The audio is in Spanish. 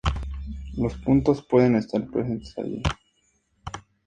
Los puntos pueden estar presentes allí.